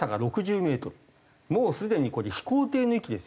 もうすでにこれ飛行艇の域ですよ。